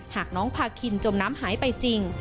หากน้องพาคินจมน้ำหายไปจริง